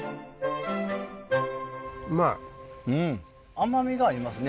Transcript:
甘みがありますね。